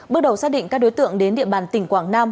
bước đầu xác định các đối tượng đến địa bàn tỉnh quảng nam